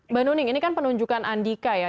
mbak nuning ini kan penunjukan andika ya